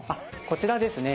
こちらですね